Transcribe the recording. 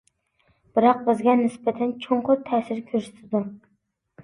بىراق بىزگە نىسبەتەن چوڭقۇر تەسىر كۆرسىتىدۇ.